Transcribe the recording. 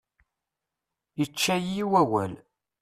Ičča-yi wawal.